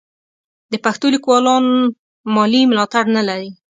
د پښتو لیکوالان مالي ملاتړ نه لري.